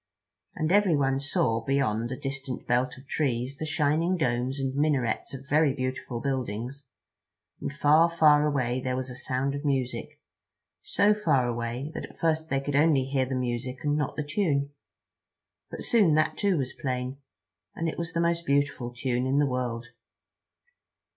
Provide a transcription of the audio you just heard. And everyone saw, beyond a distant belt of trees the shining domes and minarets of very beautiful buildings, and far, far away there was a sound of music, so far away that at first they could only hear the music and not the tune. But soon that too was plain, and it was the most beautiful tune in the world.